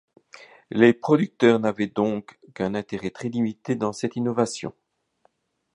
Les producteurs n’avaient donc qu’un intérêt très limité dans cette innovation.